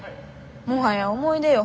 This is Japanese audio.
もはや思い出よ